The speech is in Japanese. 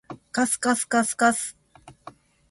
かすかすかすかす